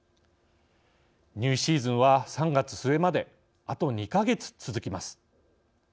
入試シーズンは３月末まであと２か月続きます。